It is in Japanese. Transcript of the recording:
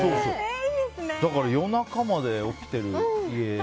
だから夜中まで起きてる家。